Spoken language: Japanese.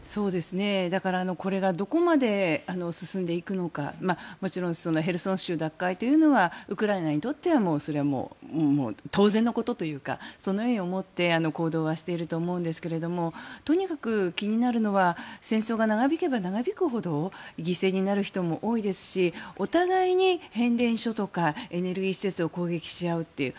だからこれがどこまで進んでいくのか。もちろんヘルソン州奪回というのはウクライナにとってはそれはもう当然のことというかそのように思って行動はしていると思いますがとにかく気になるのは戦争が長引けば長引くほど犠牲になる人も多いですしお互いに変電所とかエネルギー施設を攻撃し合うという。